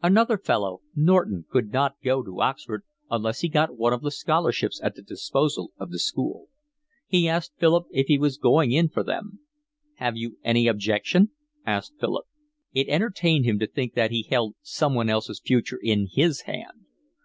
Another fellow, Norton, could not go to Oxford unless he got one of the scholarships at the disposal of the school. He asked Philip if he was going in for them. "Have you any objection?" asked Philip. It entertained him to think that he held someone else's future in his hand.